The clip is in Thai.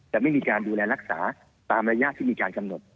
ไม่มีการดูแลรักษาตามระยะที่มีการกำหนด